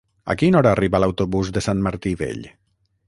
A quina hora arriba l'autobús de Sant Martí Vell?